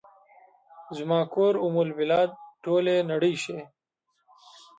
زما کور ام البلاد ، ټولې نړۍ شي